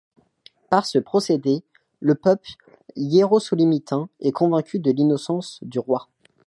Par ce procédé, le peuple hyérosolomitain est convaincu de l'innocence du roi.